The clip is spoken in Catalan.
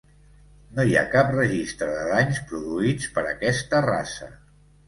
No hi ha cap registre de danys produïts per aquesta raça.